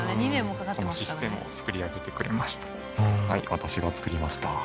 私が作りました。